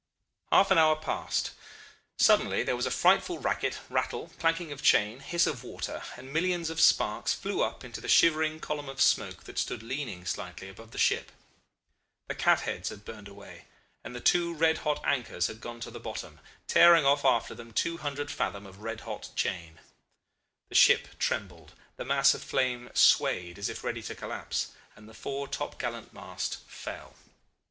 "Half an hour passed. Suddenly there was a frightful racket, rattle, clanking of chain, hiss of water, and millions of sparks flew up into the shivering column of smoke that stood leaning slightly above the ship. The cat heads had burned away, and the two red hot anchors had gone to the bottom, tearing out after them two hundred fathom of red hot chain. The ship trembled, the mass of flame swayed as if ready to collapse, and the fore top gallant mast fell.